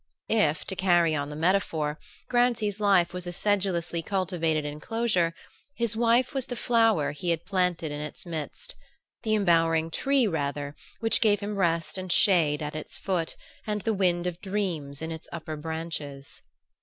If, to carry on the metaphor, Grancy's life was a sedulously cultivated enclosure, his wife was the flower he had planted in its midst the embowering tree, rather, which gave him rest and shade at its foot and the wind of dreams in its upper branches.